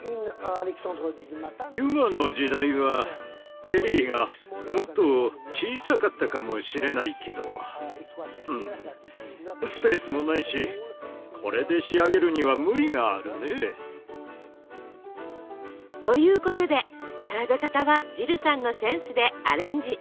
デュマの時代はチェリーがもっと小さかったかもしれないけどスペースもないしこれで仕上げるには無理があるね。ということで並べ方はジルさんのセンスでアレンジ。